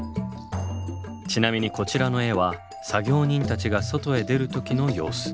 ちなみにこちらの絵は作業人たちが外へ出る時の様子。